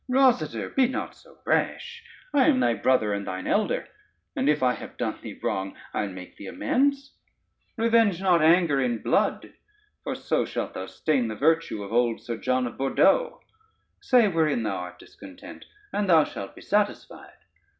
] "Rosader, be not so rash: I am thy brother and thine elder, and if I have done thee wrong I'll make thee amends: revenge not anger in blood, for so shalt thou stain the virtue of old Sir John of Bordeaux: say wherein thou art discontent and thou shalt be satisfied.